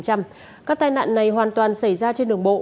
các tai nạn này hoàn toàn xảy ra trên đường bộ